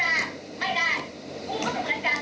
เอาแบบนั้นคุณเชื่อแค่นี้